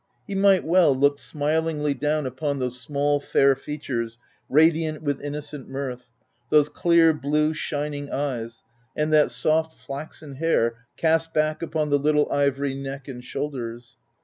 He might well look smilingly down upon those small, fair features radiant with innocent mirth, those clear, blue, shining eyes, and that soft flaxen hair cast back upon the little ivory neck and shoulders.